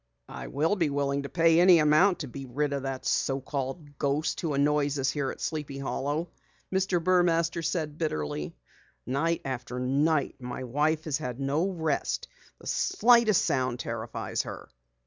"I'll be willing to pay any amount to be rid of that so called ghost who annoys us here at Sleepy Hollow," Mr. Burmaster said bitterly. "Night after night my wife has had no rest. The slightest sound terrifies her."